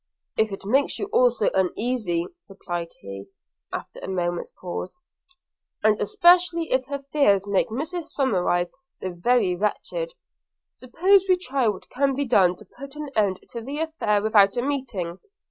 'If it makes you all so uneasy,' replied he, after a moment's pause, 'and especially if her fears make Mrs Somerive so very wretched, suppose we try what can be done to put an end to the affair without a meeting.